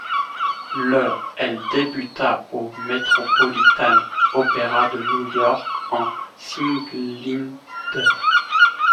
Le elle débuta au Metropolitan Opera de New York en Sieglinde.